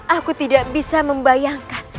aku tidak bisa membayangkan